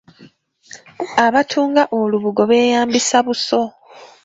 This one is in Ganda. Abatunga olubugo beeyambisa buso.